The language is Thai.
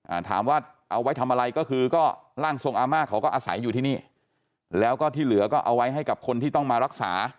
อ่าถามว่าเอาไว้ทำอะไรก็คือก็ร่างทรงอาม่าเขาก็อาศัยอยู่ที่นี่แล้วก็ที่เหลือก็เอาไว้ให้กับคนที่ต้องมารักษา